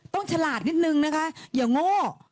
ต้องฉลาดนิดนึงนะคะเดี๋ยวโง่